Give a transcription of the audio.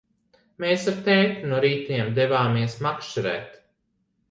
Mēs ar tēti no rītiem devāmies makšķerēt.